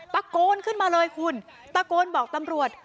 ตะโกนขึ้นมาเลยคุณตะโกนบอกตำรวจ